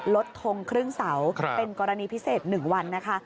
ทงครึ่งเสาเป็นกรณีพิเศษ๑วันนะคะ